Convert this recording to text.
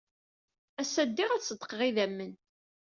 Ass-a, ddiɣ ad ṣeddqeɣ idammen.